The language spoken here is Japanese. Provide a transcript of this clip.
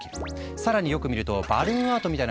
さらによく見るとバルーンアートみたいな形をしている。